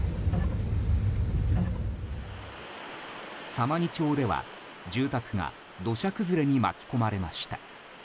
様似町では、住宅が土砂崩れに巻き込まれました。